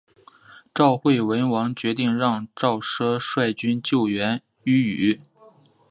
赵惠文王决定让赵奢率军救援阏与。